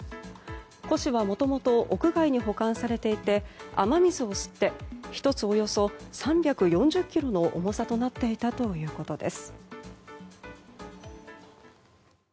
古紙はもともと屋外に保管されていて雨水を吸って１つ、およそ３４０ｋｇの重さとなっていたということです。